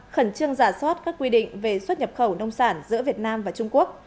khẩn trương giả soát các quy định về xuất nhập khẩu nông sản giữa việt nam và trung quốc